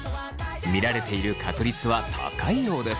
見られている確率は高いようです。